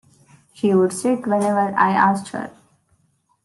She would sit whenever I asked her.